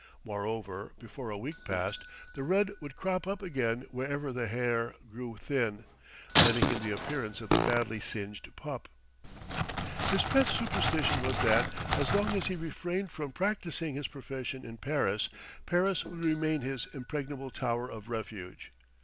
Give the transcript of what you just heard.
Moreover, before a week passed, the red would crop up again wherever the hair grew thin, lending him the appearance of a badly singed pup. His pet superstition was that, as long as he refrained from practising his profession in Paris, Paris would remain his impregnable Tower of Refuge.